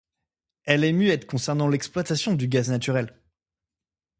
Elle est muette concernant l'exploitation du gaz naturel.